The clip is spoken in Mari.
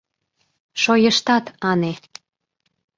Шойыштат, ане!